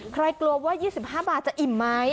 กลัวว่า๒๕บาทจะอิ่มไหม